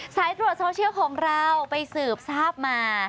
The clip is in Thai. สายตรวจโซเชียลของเราไปสืบทราบมา